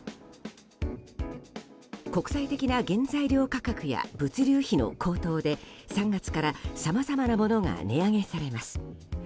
国際的な原材料価格や物流費の高騰で３月から、さまざまなものが値上げされます。